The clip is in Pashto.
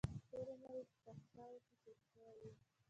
ټول عمر يې په فحشاوو کښې تېر شوى و.